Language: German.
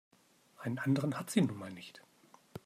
Einen anderen hat sie nun mal nicht.